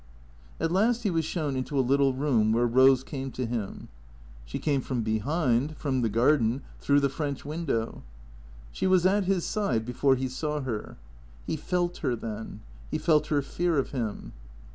At last he was shown into a little room where Rose came to him. She came from behind, from the garden, through the French window. She was at his side before he saw her. He felt her then, he felt her fear of him.